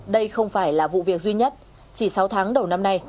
đây không phải là vụ việc duy nhất chỉ sáu tháng đầu năm nay